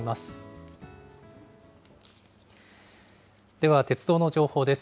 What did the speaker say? では鉄道の情報です。